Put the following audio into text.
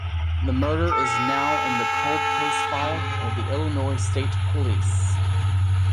The murder is now in the cold case file of the Illinois State Police.